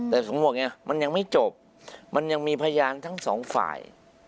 แต่สมมุติไงมันยังไม่จบมันยังมีพยานทั้งสองฝ่าย